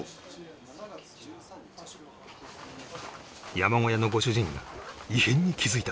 山小屋のご主人が異変に気づいた